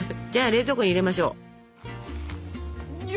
じゃあ冷蔵庫に入れましょう。